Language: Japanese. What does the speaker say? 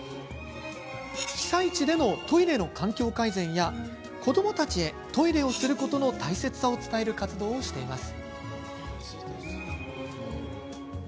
被災地でのトイレの環境改善や子どもたちへトイレをすることの大切さを伝える活動をしています。